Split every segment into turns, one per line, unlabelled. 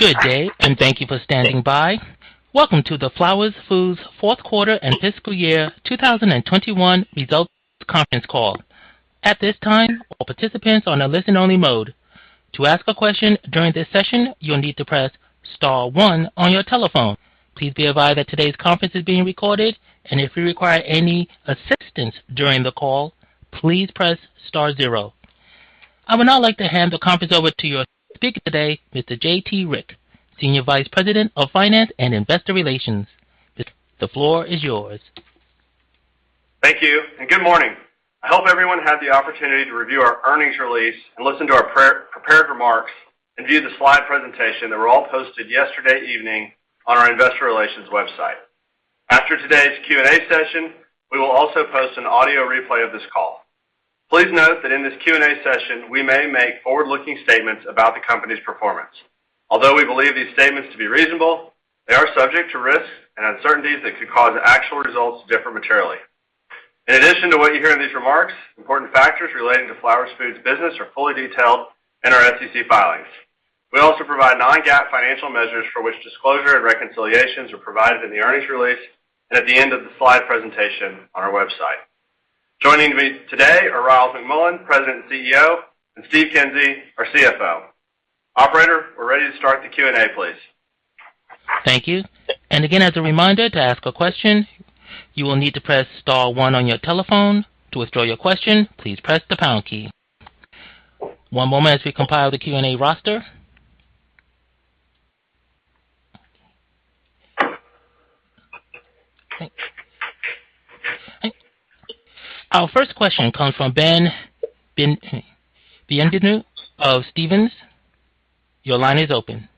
Good day, and thank you for standing by. Welcome to the Flowers Foods Q4 and Fiscal Year 2021 Results Conference Call. At this time, all participants are on a listen only mode. To ask a question during this session, you'll need to press star 1 on your telephone. Please be advised that today's conference is being recorded and if you require any assistance during the call, please press star zero. I would now like to hand the conference over to your speaker today, Mr. J.T. Rieck, Senior Vice President of Finance and Investor Relations. The floor is yours.
Thank you and good morning. I hope everyone had the opportunity to review our earnings release and listen to our pre-prepared remarks and view the slide presentation that were all posted yesterday evening on our investor relations website. After today's Q&A session, we will also post an audio replay of this call. Please note that in this Q&A session we may make forward-looking statements about the company's performance. Although we believe these statements to be reasonable, they are subject to risks and uncertainties that could cause actual results to differ materially. In addition to what you hear in these remarks, important factors relating to Flowers Foods' business are fully detailed in our SEC filings. We also provide non-GAAP financial measures for which disclosure and reconciliations are provided in the earnings release and at the end of the slide presentation on our website. Joining me today are Ryals McMullian, President and CEO, and Steve Kinsey, our CFO. Operator, we're ready to start the Q&A, please.
Thank you. Again, as a reminder, to ask a question, you will need to press star 1 on your telephone. To withdraw your question, please press the pound key. One moment as we compile the Q&A roster. Our 1st question comes from Ben Bienvenu of Stephens. Your line is open.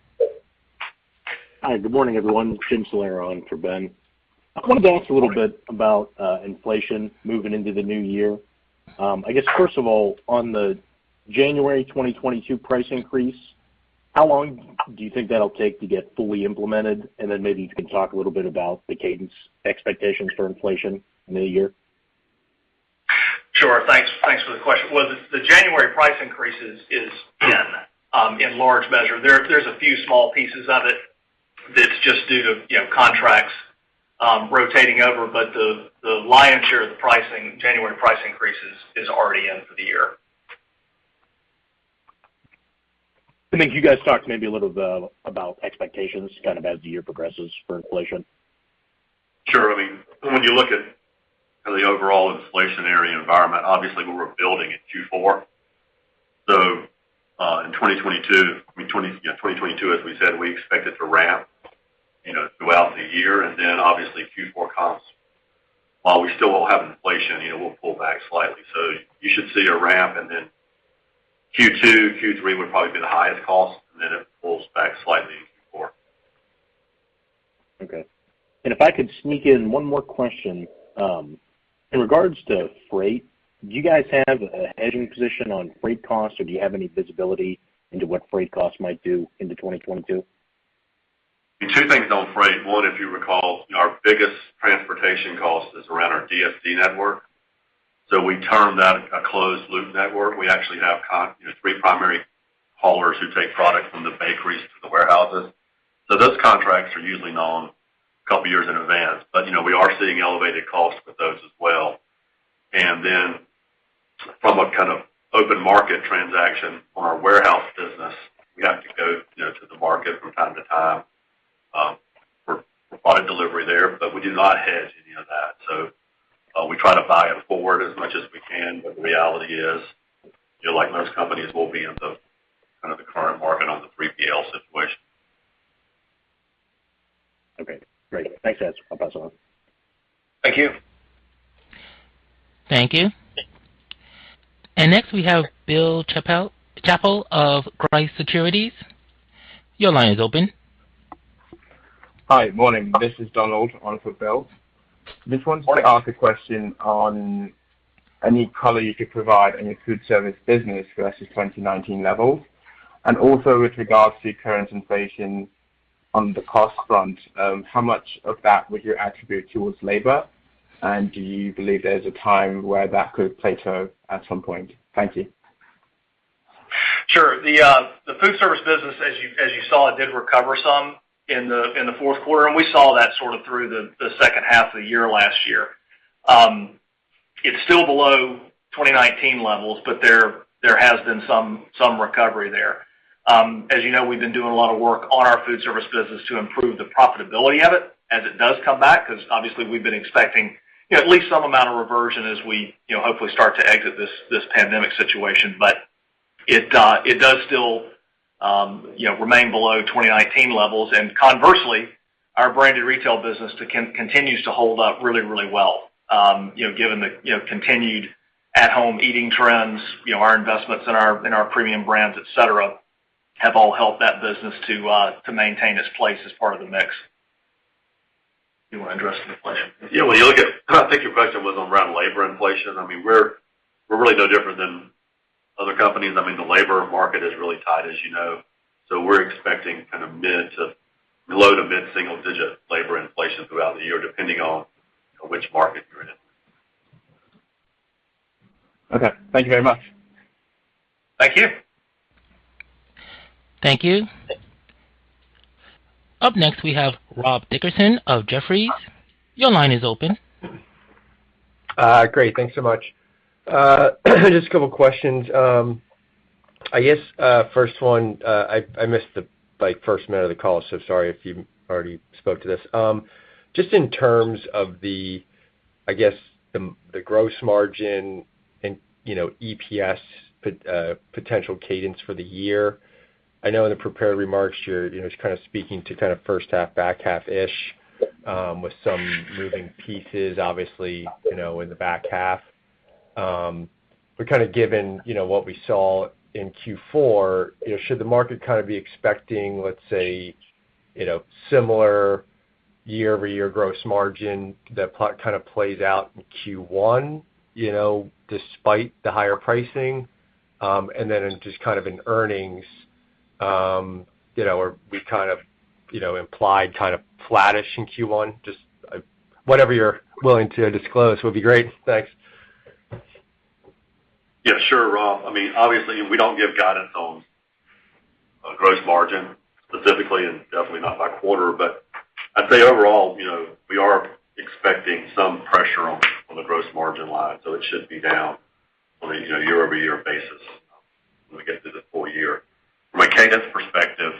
Hi, good morning, everyone. Jim Salera on for Ben. I want to ask a little bit about inflation moving into the new year. I guess, 1st of all, on the January 2022 price increase, how long do you think that'll take to get fully implemented? Then maybe you can talk a little bit about the cadence expectations for inflation in the new year.
Sure. Thanks for the question. Well, the January price increases is in large measure. There's a few small pieces of it that's just due to, you know, contracts, rotating over, but the lion's share of the pricing, January price increases is already in for the year.
Can you guys talk maybe a little bit about expectations kind of as the year progresses for inflation?
Sure. I mean, when you look at the overall inflationary environment, obviously we were building in Q4. In 2022, as we said, we expect it to ramp, you know, throughout the year and then obviously Q4 comps. While we still will have inflation, you know, we'll pull back slightly. You should see a ramp and then Q2, Q3 would probably be the highest cost and then it pulls back slightly in Q4.
Okay. If I could sneak in 1 more question. In regards to freight, do you guys have a hedging position on freight costs or do you have any visibility into what freight costs might do into 2022?
2 things on freight. 1, if you recall, our biggest transportation cost is around our DSD network. We term that a closed loop network. We actually have you know, 3 primary haulers who take products from the bakeries to the warehouses. Those contracts are usually known a couple of years in advance. You know, we are seeing elevated costs with those as well. From a kind of open market transaction on our warehouse business, we have to go, you know, to the market from time to time, for product delivery there. We do not hedge any of that. We try to buy it forward as much as we can. The reality is, you know, like most companies, we'll be in the, kind of, the current market on the 3PL situation.
Okay, great. Thanks guys. I'll pass it on.
Thank you.
Thank you. Next we have Bill Chappell of Truist Securities. Your line is open.
Hi, morning. This is Donald on for Bill. Just wanted to ask a question on any colour you could provide in your food service business versus 2019 levels. With regards to current inflation on the cost front, how much of that would you attribute towards labor? Do you believe there's a time where that could plateau at some point? Thank you.
Sure. The food service business, as you saw, it did recover some in the Q4, and we saw that sort of through the H2 of the year last year. It's still below 2019 levels, but there has been some recovery there. As you know, we've been doing a lot of work on our food service business to improve the profitability of it as it does come back, because obviously we've been expecting at least some amount of reversion as we, you know, hopefully start to exit this pandemic situation. It does still, you know, remain below 2019 levels. Conversely, our branded retail business continues to hold up really, really well. You know, given the continued at-home eating trends, you know, our investments in our premium brands, et cetera, have all helped that business to maintain its place as part of the mix. You want to address the plan? Yeah, when you look at, I think your question was around labor inflation. I mean, we're really no different than other companies. I mean, the labor market is really tight, as you know. We're expecting kind of low to mid single-digit labor inflation throughout the year, depending on which market you're in.
Okay. Thank you very much.
Thank you.
Thank you. Up next, we have Rob Dickerson of Jefferies. Your line is open.
Great. Thanks so much. Just a couple questions. I guess 1st one, I missed the like 1st minute of the call, so sorry if you already spoke to this. Just in terms of the gross margin and, you know, EPS potential cadence for the year. I know in the prepared remarks, you're, you know, just kind speaking to kind H1, back half-ish, with some moving pieces obviously, you know, in the back half. Kind given, you know, what we saw in Q4, you know, should the market kind be expecting, let's say, you know, similar year-over-year gross margin that kind plays out in Q1, you know, despite the higher pricing? Just kind of in earnings, you know, are we kind of, you know, implied kind of flattish in Q1? Just, whatever you're willing to disclose would be great. Thanks.
Yeah, sure, Rob. I mean, obviously we don't give guidance on gross margin specifically, and definitely not by quarter. But I'd say overall, you know, we are expecting some pressure on the gross margin line, so it should be down on a year-over-year basis when we get through the full year. From a cadence perspective,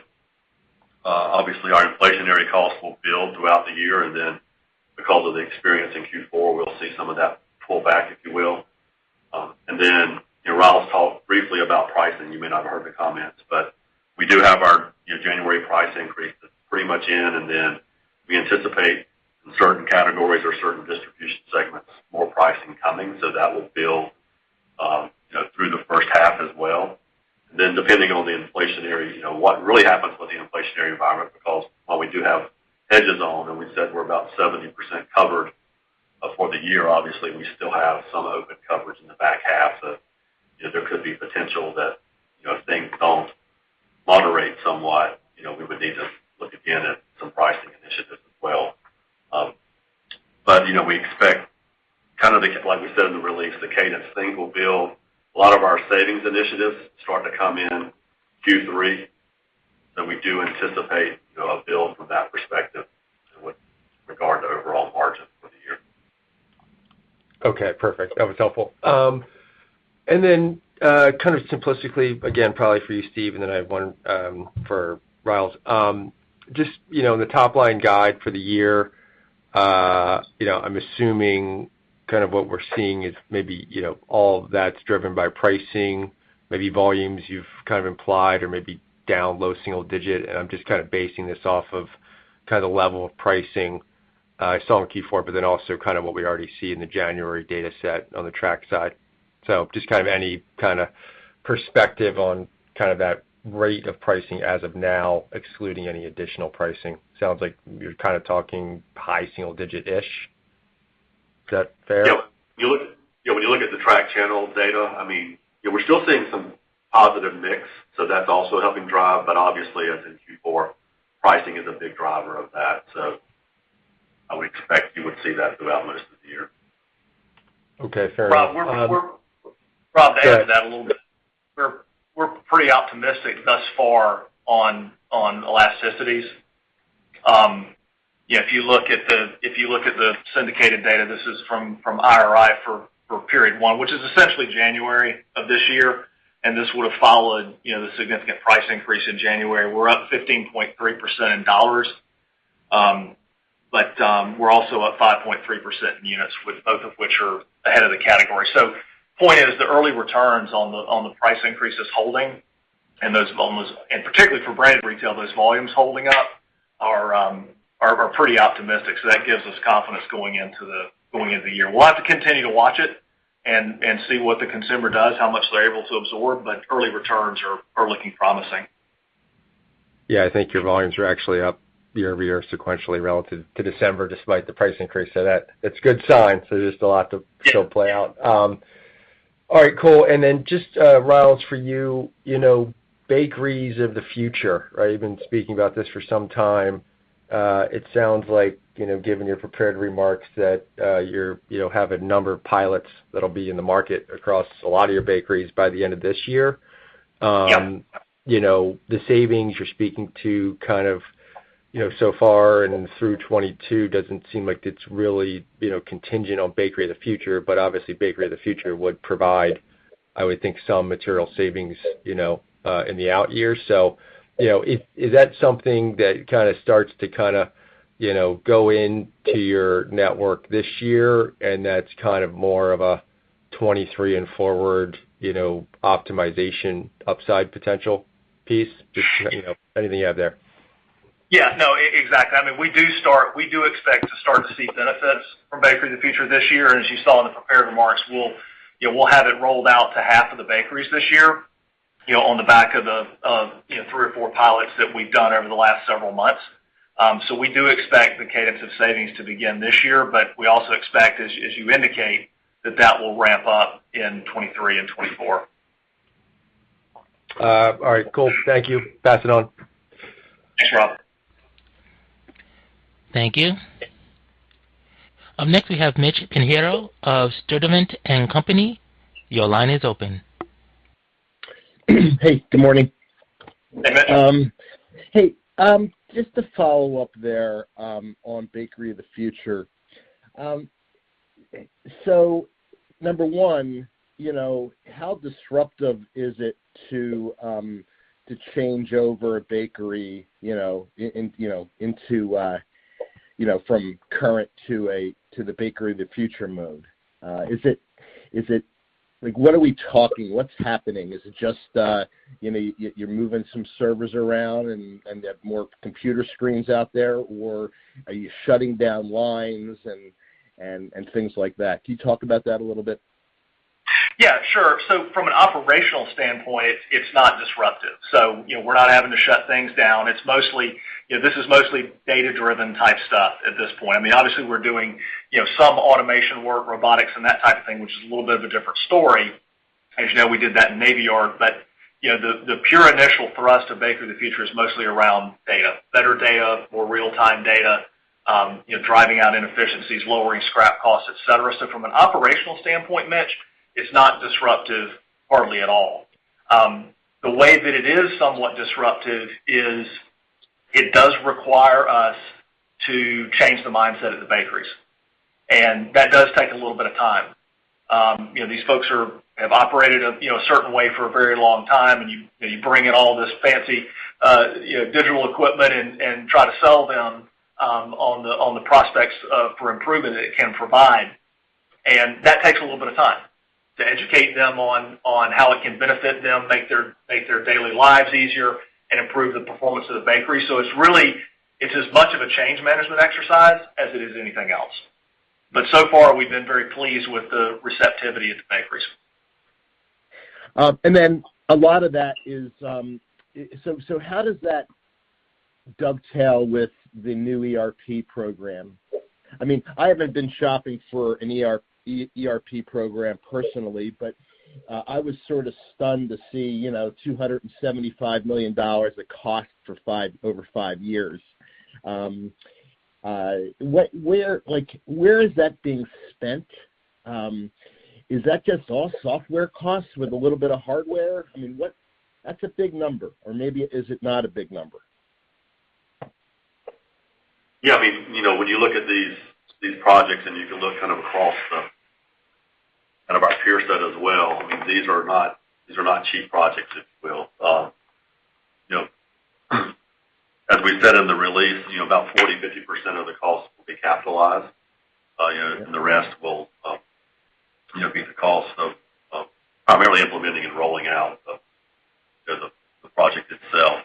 obviously our inflationary costs will build throughout the year, and then because of the experience in Q4, we'll see some of that pull back, if you will. And then, you know, Riles talked briefly about pricing. You may not have heard the comments, but we do have our January price increase that's pretty much in, and then we anticipate in certain categories or certain distribution segments, more pricing coming, so that will build through the H1 as well. Depending on the inflationary, you know, what really happens with the inflationary environment, because while we do have hedges on and we said we're about 70% covered for the year, obviously we still have some open coverage in the back half that, you know, there could be potential that, you know, if things don't moderate somewhat, you know, we would need to look again at some pricing initiatives as well. We expect kind of the, like we said in the release, the cadence things will build. A lot of our savings initiatives start to come in Q3, so we do anticipate, you know, a build from that perspective with regard to overall margin for the year.
Okay, perfect. That was helpful. Then, kind of simplistically, again, probably for you, Steve, and then I have 1 for Ryals. Just, you know, in the top line guide for the year, you know, I'm assuming kind of what we're seeing is maybe, you know, all of that's driven by pricing, maybe volumes you've kind of implied or maybe down low single digit, and I'm just kind basing this off of kind level of pricing I saw in Q4, but then also kind of what we already see in the January data set on the track side. Just kind of any kind perspective on kind of that rate of pricing as of now, excluding any additional pricing. Sounds like you're kind talking high single digit-ish. Is that fair?
When you look at the tracked channel data, I mean, you know, we're still seeing some positive mix, so that's also helping drive, but obviously as in Q4, pricing is a big driver of that. I would expect you would see that throughout most of the year.
Okay. Fair.
Rob, we're
Go ahead.
Rob, to add to that a little bit, we're pretty optimistic thus far on elasticities. You know, if you look at the syndicated data, this is from IRI for period one, which is essentially January of this year, and this would've followed, you know, the significant price increase in January. We're up 15.3% in dollars, but we're also up 5.3% in units, with both of which are ahead of the category. Point is, the early returns on the price increase is holding and those volumes holding up, particularly for branded retail, are pretty optimistic. That gives us confidence going into the year. We'll have to continue to watch it and see what the consumer does, how much they're able to absorb, but early returns are looking promising.
Yeah. I think your volumes are actually up year-over-year sequentially relative to December, despite the price increase. That's a good sign. Just a lot to still play out. All right, cool. Then just, Ryals for you know, Bakeries of the Future, right? You've been speaking about this for some time. It sounds like, you know, given your prepared remarks that, you're, you know, have a number of pilots that'll be in the market across a lot of your bakeries by the end of this year.
Yeah.
You know, the savings you're speaking to kind of, you know, so far and through 2022 doesn't seem like it's really, you know, contingent on Bakery of the Future, but obviously Bakery of the Future would provide, I would think, some material savings, you know, in the out years. You know, is that something that kind starts to, you know, go into your network this year and that's kind of more of a 2023 and forward, you know, optimization upside potential piece? Just, you know, anything you have there.
Yeah. No, exactly. I mean, we do expect to start to see benefits from Bakery of the Future this year. As you saw in the prepared remarks, we'll have it rolled out to half of the bakeries this year, you know, on the back of you know, 3 or 4 pilots that we've done over the last several months. We do expect the cadence of savings to begin this year, but we also expect, as you indicate, that will ramp up in 2023 and 2024.
All right, cool. Thank you. Pass it on.
Thanks, Rob.
Thank you. Up next we have Mitchell Pinheiro of Sturdivant & Co. Your line is open.
Hey, good morning.
Hey, Mitch.
Hey, just to follow up there on Bakery of the Future. So number 1, you know, how disruptive is it to change over a bakery, you know, in, you know, into, you know, from current to a, to the Bakery of the Future mode? Is it like, what are we talking, what's happening? Is it just, you know, you're moving some servers around and things like that? Or are you shutting down lines and things like that? Can you talk about that a little bit?
Yeah, sure. From an operational standpoint, it's not disruptive. You know, we're not having to shut things down. It's mostly data-driven type stuff at this point. I mean, obviously we're doing some automation work, robotics and that type of thing, which is a little bit of a different story. As you know, we did that in Navy Yard. You know, the pure initial for us to Bakery of the Future is mostly around data. Better data, more real-time data, you know, driving out inefficiencies, lowering scrap costs, et cetera. From an operational standpoint, Mitch, it's not disruptive hardly at all. The way that it is somewhat disruptive is it does require us to change the mindset of the bakeries, and that does take a little bit of time. You know, these folks have operated a, you know, a certain way for a very long time, and you know, you bring in all this fancy, you know, digital equipment and try to sell them on the prospects for improvement that it can provide. That takes a little bit of time to educate them on how it can benefit them, make their daily lives easier and improve the performance of the bakery. It's really as much of a change management exercise as it is anything else. So far, we've been very pleased with the receptivity of the bakeries.
A lot of that is. How does that dovetail with the new ERP program? I mean, I haven't been shopping for an ERP program personally, but I was sort of stunned to see, you know, $275 million the cost over 5 years. What, where is that being spent? Like, where is that being spent? Is that just all software costs with a little bit of hardware? I mean, what? That's a big number. Or maybe is it not a big number?
Yeah. I mean, you know, when you look at these projects and you can look kind of across our peer set as well, I mean, these are not cheap projects if you will. As we said in the release, you know, about 40% to 50% of the costs will be capitalized, and the rest will be the cost of primarily implementing and rolling out the project itself.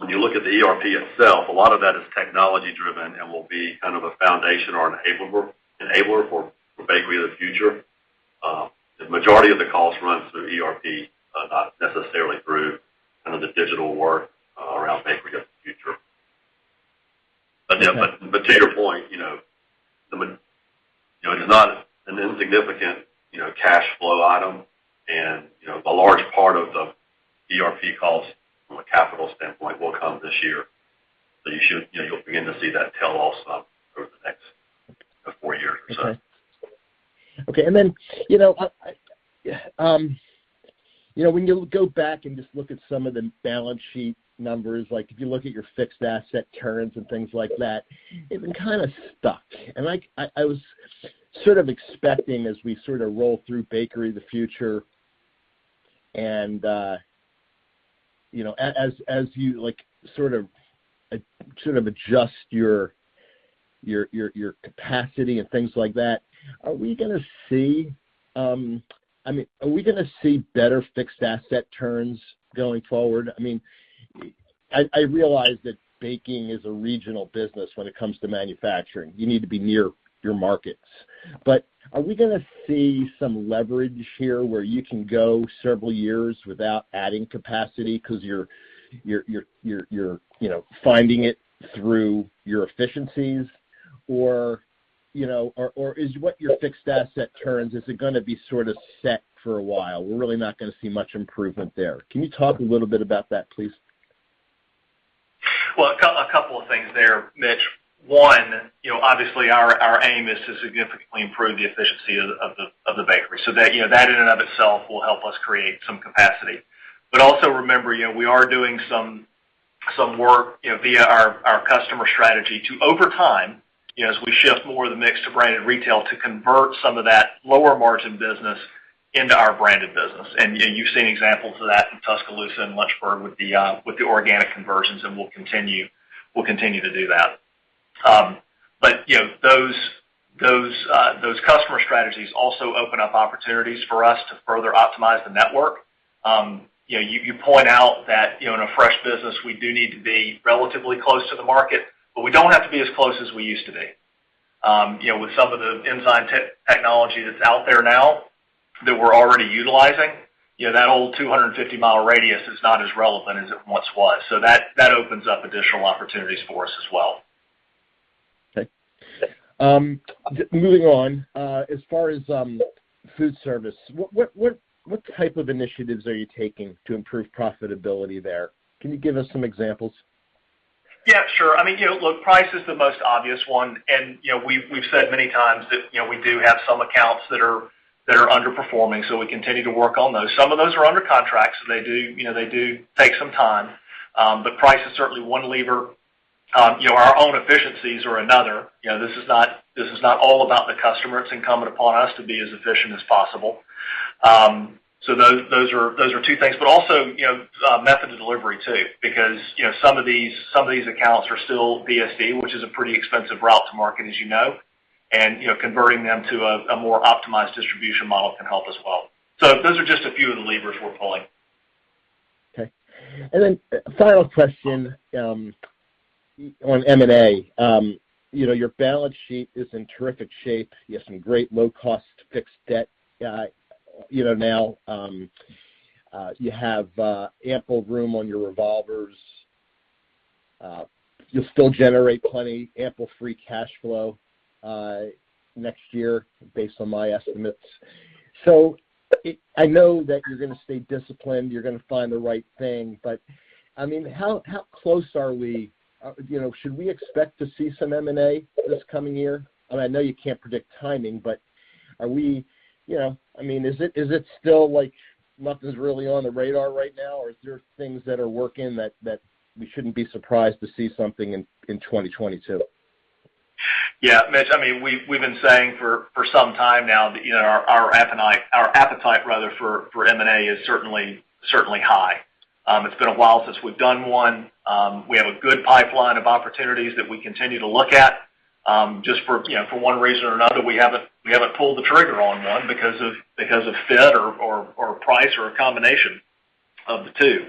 When you look at the ERP itself, a lot of that is technology driven and will be kind of a foundation or an enabler for Bakery of the Future. The majority of the cost runs through ERP, not necessarily through kind of the digital work around Bakery of the Future. Yeah. To your point, you know, it's not an insignificant, you know, cash flow item. You know, the large part of the ERP cost from a capital standpoint will come this year. You should, you know, you'll begin to see that tail off some over the next 4 years or so.
Okay. You know, when you go back and just look at some of the balance sheet numbers, like if you look at your fixed asset turns and things like that, they've been kind stuck. Like I was sort of expecting as we sort of roll through Bakery of the Future and, you know, as you like, sort of adjust your capacity and things like that, are we going to see, I mean, are we going to see better fixed asset turns going forward? I mean, I realize that baking is a regional business when it comes to manufacturing. You need to be near your markets. Are we going to see some leverage here where you can go several years without adding capacity because you're, you know, finding it through your efficiencies? Or, you know, or is what your fixed asset turns, is it going to be sort of set for a while? We're really not going to see much improvement there. Can you talk a little bit about that, please?
Well, a couple of things there, Mitch. 1, you know, obviously our aim is to significantly improve the efficiency of the bakery. So that, you know, that in and of itself will help us create some capacity. But also remember, you know, we are doing some work, you know, via our customer strategy to over time, you know, as we shift more of the mix to branded retail, to convert some of that lower margin business into our branded business. And, you know, you've seen examples of that in Tuscaloosa and Lynchburg with the organic conversions, and we'll continue to do that. But, you know, those customer strategies also open up opportunities for us to further optimize the network. You point out that, you know, in a fresh business we do need to be relatively close to the market, but we don't have to be as close as we used to be. You know, with some of the enzyme technology that's out there now that we're already utilizing, you know, that old 250-mile radius is not as relevant as it once was. That opens up additional opportunities for us as well.
Okay. Moving on. As far as food service, what type of initiatives are you taking to improve profitability there? Can you give us some examples?
Yeah, sure. I mean, you know, look, price is the most obvious 1. You know, we've said many times that, you know, we do have some accounts that are underperforming, so we continue to work on those. Some of those are under contracts, so they do take some time. But price is certainly 1 lever. You know, our own efficiencies are another. You know, this is not all about the customer. It's incumbent upon us to be as efficient as possible. So those are 2 things. Also, you know, method of delivery too, because, you know, some of these accounts are still DSD, which is a pretty expensive route to market, as you know. You know, converting them to a more optimized distribution model can help as well. Those are just a few of the levers we're pulling.
Okay. Final question on M&A. You know, your balance sheet is in terrific shape. You have some great low cost fixed debt. You know, now, you have ample room on your revolvers. You'll still generate plenty ample free cash flow next year based on my estimates. I know that you're going to stay disciplined, you're going to find the right thing, but I mean, how close are we? You know, should we expect to see some M&A this coming year? I know you can't predict timing, but are we, you know, I mean, is it still like nothing's really on the radar right now, or is there things that are working that we shouldn't be surprised to see something in 2022?
Yeah. Mitch, I mean, we've been saying for some time now that, you know, our appetite rather for M&A is certainly high. It's been a while since we've done 1. We have a good pipeline of opportunities that we continue to look at. Just for, you know, for 1 reason or another, we haven't pulled the trigger on ` because of fit or price or a combination of the 2.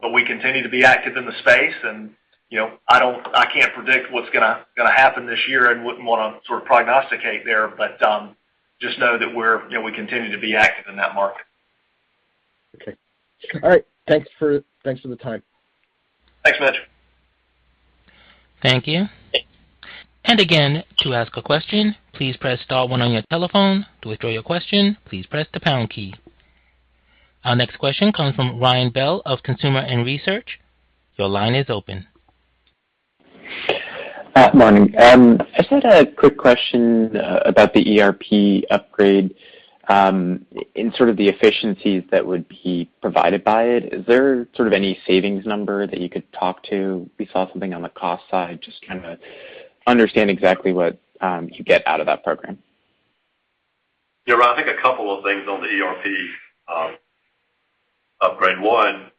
But we continue to be active in the space and, you know, I can't predict what's going to happen this year and wouldn't wanna sort of prognosticate there, but just know that we're, you know, we continue to be active in that market.
Okay. All right. Thanks for the time.
Thanks, Mitch.
Thank you. Again, to ask a question, please press star 1 on your telephone. To withdraw your question, please press the pound key. Our next question comes from Ryan Bell of Consumer Edge Research. Your line is open.
Morning. I just had a quick question about the ERP upgrade. In sort of the efficiencies that would be provided by it, is there sort of any savings number that you could talk to? We saw something on the cost side, just kind understand exactly what you get out of that program.
Yeah, Ryan, I think a couple of things on the ERP upgrade. 1,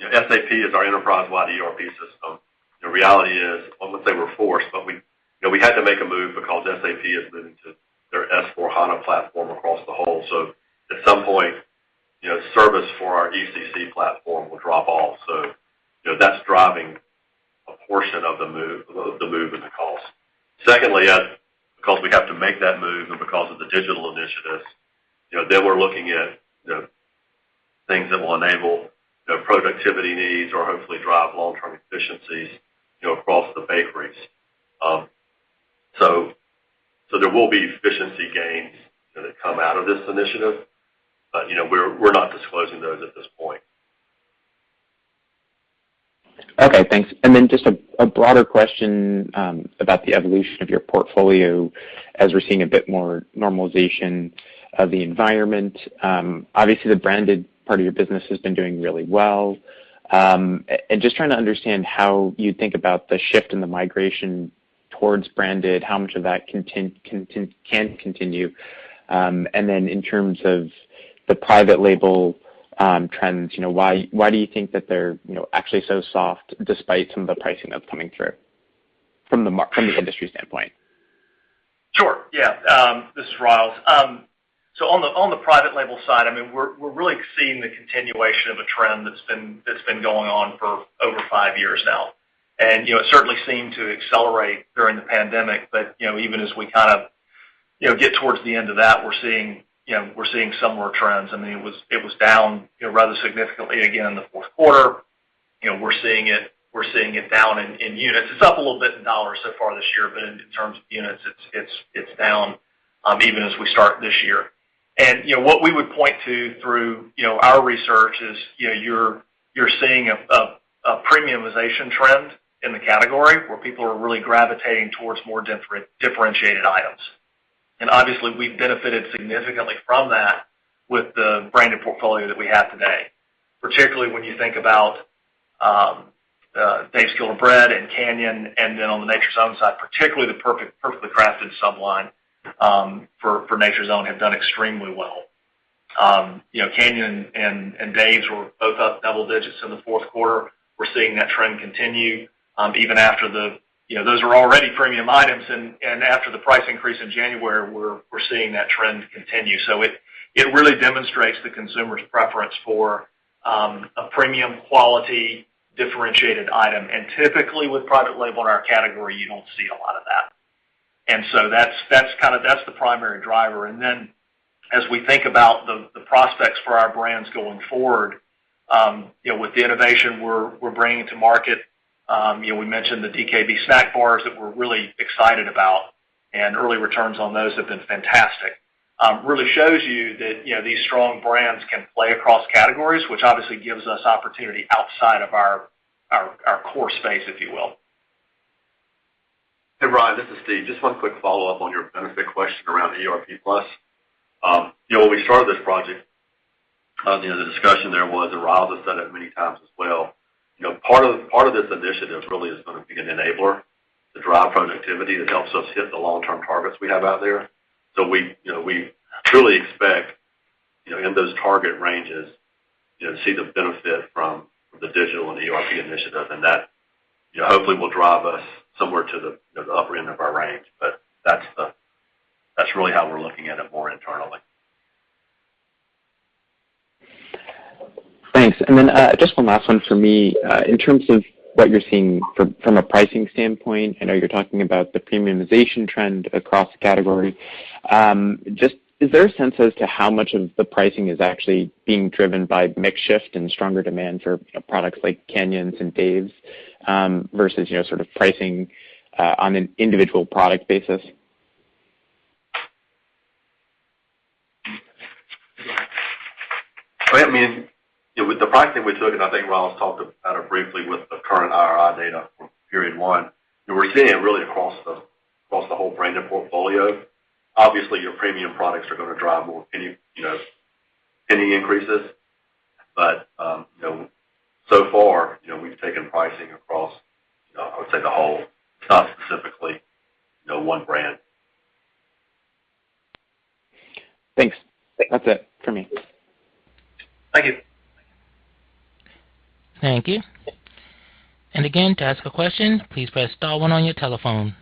you know, SAP is our enterprise-wide ERP system. The reality is, I wouldn't say we're forced, but we, you know, we had to make a move because SAP is moving to their S/4HANA platform across the whole. So at some point, you know, service for our ECC platform will drop off. So, you know, that's driving a portion of the move and the cost. Secondly, because we have to make that move and because of the digital initiatives, you know, then we're looking at, you know, things that will enable, you know, productivity needs or hopefully drive long-term efficiencies, you know, across the bakeries. So there will be efficiency gains that come out of this initiative, but, you know, we're not disclosing those at this point.
Okay, thanks. Just a broader question about the evolution of your portfolio as we're seeing a bit more normalization of the environment. Obviously the branded part of your business has been doing really well. And just trying to understand how you think about the shift in the migration towards branded, how much of that can continue. In terms of the private label trends, you know, why do you think that they're, you know, actually so soft despite some of the pricing that's coming through from the industry standpoint?
Sure, yeah. This is Ryals. So on the private label side, I mean, we're really seeing the continuation of a trend that's been going on for over five years now. You know, it certainly seemed to accelerate during the pandemic, but you know, even as we kind of you know, get towards the end of that, we're seeing similar trends. I mean, it was down rather significantly again in the Q4. You know, we're seeing it down in units. It's up a little bit in dollars so far this year, but in terms of units, it's down even as we start this year. You know, what we would point to through our research is, you know, you're seeing a premiumization trend in the category where people are really gravitating towards more differentiated items. Obviously we benefited significantly from that with the branded portfolio that we have today, particularly when you think about Dave's Killer Bread and Canyon, and then on the Nature's Own side, particularly the Perfectly Crafted sub-line for Nature's Own have done extremely well. You know, Canyon and Dave's were both up double digits in the Q4. We're seeing that trend continue even after you know those are already premium items and after the price increase in January, we're seeing that trend continue. It really demonstrates the consumer's preference for a premium quality differentiated item. Typically with private label in our category, you don't see a lot. So that's kind of the primary driver. Then as we think about the prospects for our brands going forward, you know, with the innovation we're bringing to market, you know, we mentioned the DKB snack bars that we're really excited about, and early returns on those have been fantastic. Really shows you that, you know, these strong brands can play across categories, which obviously gives us opportunity outside of our core space, if you will.
Hey, Ron, this is Steve. Just 1 quick follow-up on your benefit question around ERP Plus. You know, when we started this project, you know, the discussion there was, and Rob has said it many times as well, you know, part of this initiative really is going to be an enabler to drive productivity that helps us hit the long-term targets we have out there. We truly expect, you know, in those target ranges, you know, to see the benefit from the digital and ERP initiative, and that, you know, hopefully will drive us somewhere to the, you know, the upper end of our range. That's really how we're looking at it more internally.
Thanks. Just 1 last one for me. In terms of what you're seeing from a pricing standpoint, I know you're talking about the premiumization trend across the category. Just is there a sense as to how much of the pricing is actually being driven by mix shift and stronger demand for products like Canyon and Dave's, versus, you know, sort of pricing on an individual product basis?
I mean, with the pricing we took, and I think Rob has talked about it briefly with the current IRI data from period 1, we're seeing it really across the whole branded portfolio. Obviously, your premium products are going to drive more any, you know, any increases. You know, we've taken pricing across, you know, I would say the whole. It's not specifically, you know, 1 brand.
Thanks. That's it for me.
Thank you.
Thank you. Again, to ask a question, please press star 1 on your telephone.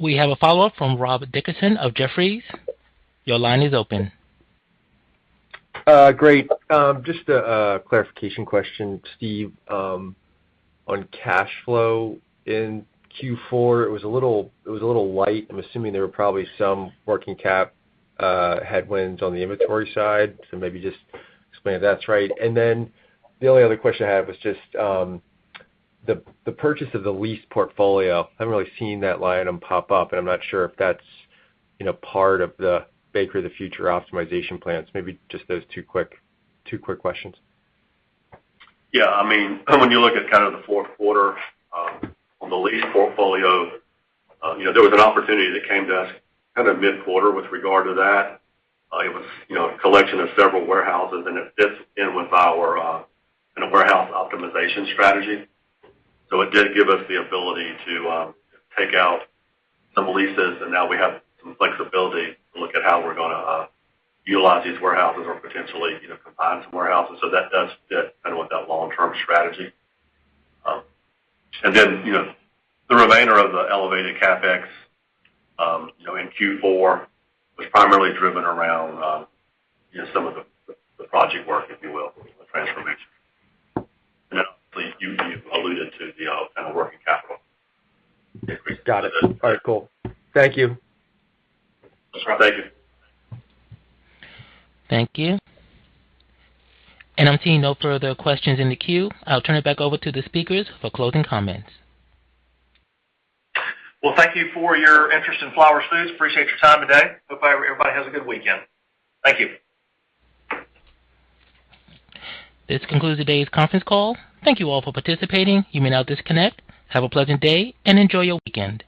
We have a follow-up from Rob Dickerson of Jefferies. Your line is open.
Great. Just a clarification question, Steve. On cash flow in Q4, it was a little light. I'm assuming there were probably some working cap headwinds on the inventory side. Maybe just explain if that's right. The only other question I have is just the purchase of the lease portfolio. I haven't really seen that line item pop up, and I'm not sure if that's, you know, part of the Bakery of the Future optimization plans. Maybe just those 2 quick questions.
Yeah. I mean, when you look at kind of the Q4, on the lease portfolio, you know, there was an opportunity that came to us kind of mid-quarter with regard to that. It was, you know, a collection of several warehouses, and it fits in with our, kind of warehouse optimization strategy. So it did give us the ability to, take out some leases, and now we have some flexibility to look at how we're going, utilize these warehouses or potentially, you know, combine some warehouses. So that does fit kind of with that long-term strategy. And then, you know, the remainder of the elevated CapEx, you know, in Q4 was primarily driven around, you know, some of the project work, if you will, the transformation. Obviously, you alluded to the, kind of working capital increase.
Got it. All right, cool. Thank you.
Thank you.
Thank you. I'm seeing no further questions in the queue. I'll turn it back over to the speakers for closing comments.
Well, thank you for your interest in Flowers Foods. Appreciate your time today. Hope everybody has a good weekend. Thank you.
This concludes today's conference call. Thank you all for participating. You may now disconnect. Have a pleasant day and enjoy your weekend.